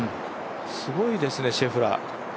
すごいですね、シェフラー。